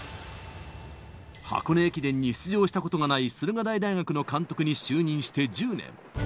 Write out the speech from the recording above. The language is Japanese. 箱根駅伝に出場したことがない駿河台大学の監督に就任して１０年。